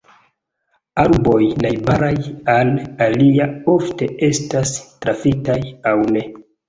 Arboj najbaraj al alia ofte estas trafitaj aŭ ne.